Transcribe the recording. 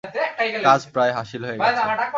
কাজ প্রায় হাসিল হয়ে গেছে।